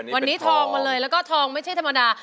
วันนี้ทองมาเลยแล้วก็ทองไม่ใช่ธรรมดา